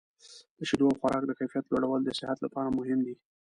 د شیدو او خوراک د کیفیت لوړول د صحت لپاره مهم دي.